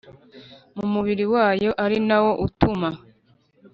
mu mubiri wayo, ari nawo utuma